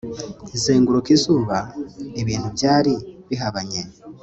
izenguruka izuba, ibintu byari bihabanye